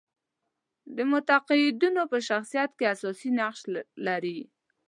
د معتقدانو په شخصیت کې اساسي نقش لري.